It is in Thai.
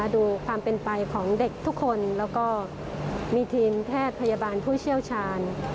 ดูความเป็นไปของเด็กทุกคนแล้วก็มีทีมแพทย์พยาบาลผู้เชี่ยวชาญ